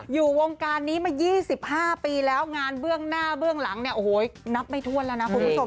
อยู่วงการนี้มา๒๕ปีแล้วงานเบื้องหน้าเบื้องหลังเนี่ยโอ้โหนับไม่ถ้วนแล้วนะคุณผู้ชม